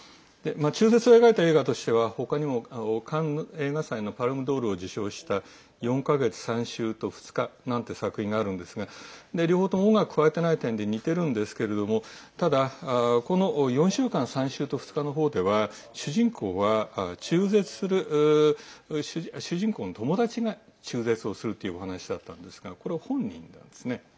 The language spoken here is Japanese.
中絶を描いた映画としては他にカンヌ映画祭のパルム・ドールを受賞した「４ヶ月、３週と２日」なんて作品があるんですが両方とも音楽、加えてない点で似てるんですけれどもただ、この「４ヶ月、３週と２日」の方では主人公の友達が中絶をするというお話だったんですがこれは本人なんですね。